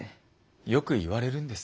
よく言われるんです。